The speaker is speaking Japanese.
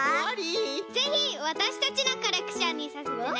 ぜひわたしたちのコレクションにさせてね！